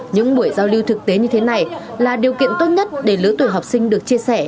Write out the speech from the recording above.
những buổi giao lưu thực tế như thế này là điều kiện tốt nhất để lứa tuổi học sinh được chia sẻ